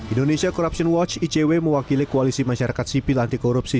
indonesia corruption watch icw mewakili koalisi masyarakat sipil antikorupsi